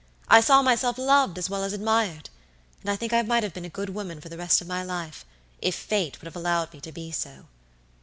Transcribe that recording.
I saw myself loved as well as admired, and I think I might have been a good woman for the rest of my life, if fate would have allowed me to be so.